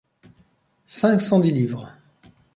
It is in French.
cinq cent dix livres.